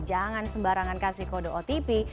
jangan sembarangan kasih kode otp